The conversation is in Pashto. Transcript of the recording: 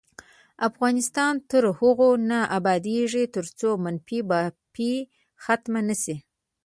افغانستان تر هغو نه ابادیږي، ترڅو منفي بافي ختمه نشي.